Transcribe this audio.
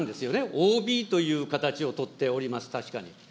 ＯＢという形を取っております、確かに。